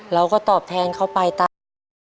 เราก็ตอบแทนเขาไปตาม